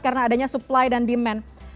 karena adanya supply dan demand